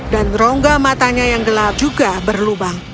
dan rongga matanya yang gelap juga berlubang